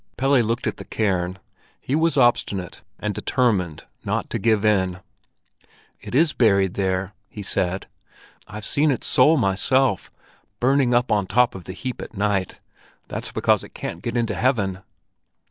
Pelle looked at the cairn. He was obstinate, and determined not to give in. "It is buried there," he said. "I've seen its soul myself, burning up on the top of the heap at night. That's because it can't get into heaven."